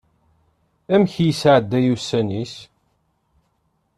Amek i yesɛedday ussan-is?